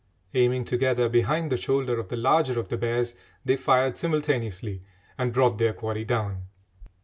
Aiming together behind the shoulder of the larger of the bears, they fired simultaneously and brought their quarry down.